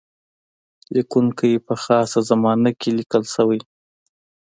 لیکونکی په خاصه زمانه کې لیکل شوی.